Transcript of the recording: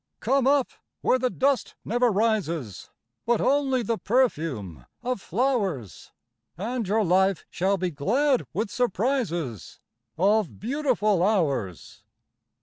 Come up where the dust never rises— But only the perfume of flowers— And your life shall be glad with surprises Of beautiful hours.